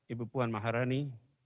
ibu puan maharani